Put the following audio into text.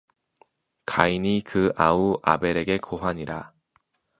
가인이 그 아우 아벨에게 고하니라